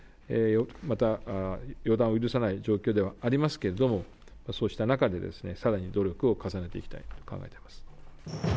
また、予断を許さない状況ではありますけれども、そうした中で、さらに努力を重ねていきたいと考えています。